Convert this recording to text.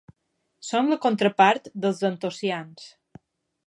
Són la contrapart dels antocians.